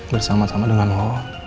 bersama sama dengan lo